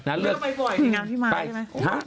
นี่ก็ไปบ่อยในงานพี่ไม้ใช่ไหม